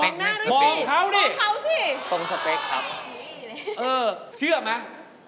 มองข้าวสิค่ะตรงสเปคครับเออเชื่อมั้ย